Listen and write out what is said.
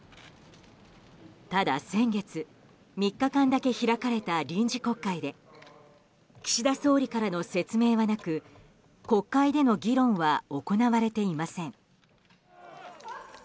ただ先月、３日間だけ開かれた臨時国会で岸田総理からの説明はなく国会での議論は行われていません。